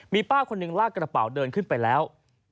มีป้าคนหนึ่งลากกระเป๋าเดินขึ้นไปแล้ว